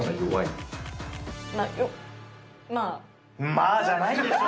「まぁ」じゃないでしょ。